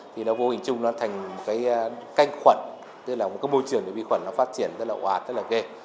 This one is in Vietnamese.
thì nó vô hình chung nó thành cái canh khuẩn tức là một cái môi trường để vi khuẩn nó phát triển rất là ổ hạt rất là ghê